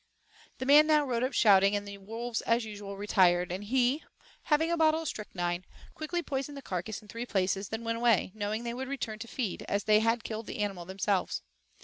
The man now rode up shouting, the wolves as usual retired, and he, having a bottle of strychnine, quickly poisoned the carcass in three places, then went away, knowing they would return to feed, as they had killed the animal themselves.